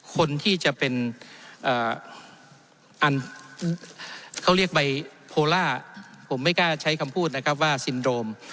คนที่จะเป็นอันเขาเรียกใบโพล่าผมไม่กล้าใช้คำพูดนะครับว่าซินโดม